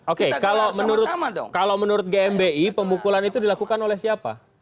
oke kalau menurut gmbi pembukulan itu dilakukan oleh siapa